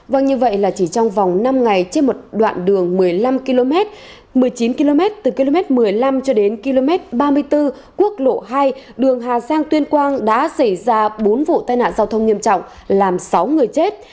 vâng như vậy là chỉ trong vòng năm ngày trên một đoạn đường một mươi năm km một mươi chín km từ km một mươi năm cho đến km ba mươi bốn quốc lộ hai đường hà giang tuyên quang đã xảy ra bốn vụ tai nạn giao thông nghiêm trọng làm sáu người chết